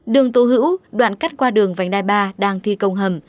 đường tô hữu đoạn cắt qua đường vành đai ba đang thi công hầm